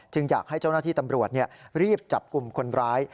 อยากให้เจ้าหน้าที่ตำรวจรีบจับกลุ่มคนร้าย